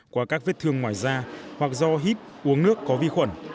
qua các vết thương ngoài da hoặc do hít uống nước có vi khuẩn